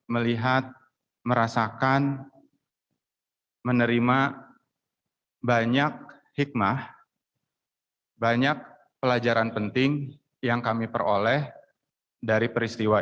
melihat merasakan menerima banyak hikmah banyak pelajaran penting yang kami peroleh dari peristiwa